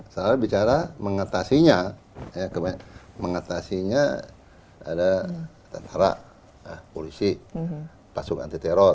secara bicara mengatasinya mengatasinya ada tentara polisi pasukan antiteror